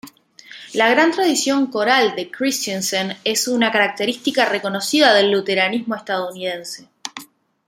La gran tradición coral de Christiansen es una característica reconocida del luteranismo estadounidense.